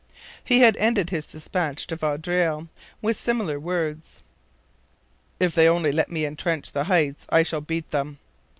He had ended his dispatch to Vaudreuil with similar words: 'If they only let me entrench the heights I shall beat them.'